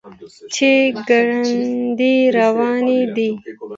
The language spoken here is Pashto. چې ګړندی روان دی.